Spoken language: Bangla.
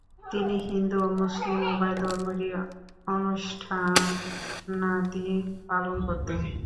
তিনি হিন্দু ও মুসলিম উভয় ধর্মেরই অনুষ্ঠানাদি পালন করতেন।